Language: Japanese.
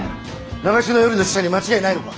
長篠よりの使者に間違いないのか？